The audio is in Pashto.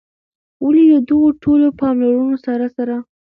ولي د دغو ټولو پاملرونو سره سره